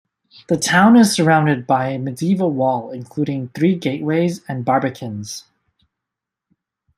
The town is surrounded by a medieval wall including three gateways and barbicans.